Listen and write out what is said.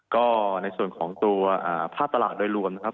ก็ในส่วนของตัวภาพตลาดโดยรวมนะครับ